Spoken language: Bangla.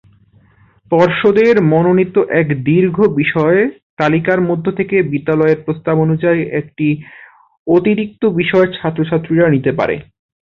পর্ষদের মনোনীত এক দীর্ঘ বিষয় তালিকার মধ্যে থেকে বিদ্যালয়ের প্রস্তাব অনুযায়ী একটা অতিরিক্ত বিষয় ছাত্রছাত্রীরা নিতে পারে।